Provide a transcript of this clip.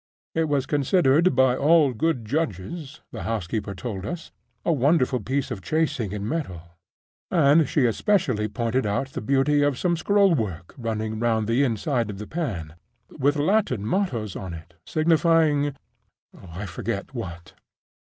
It was considered by all good judges (the housekeeper told us) a wonderful piece of chasing in metal; and she especially pointed out the beauty of some scroll work running round the inside of the pan, with Latin mottoes on it, signifying—I forget what.